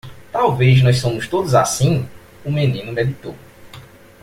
Talvez nós somos todos assim? o menino meditou.